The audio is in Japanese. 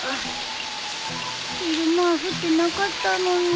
昼間は降ってなかったのに。